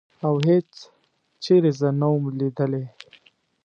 او هېڅ چېرې زه نه وم لیدلې.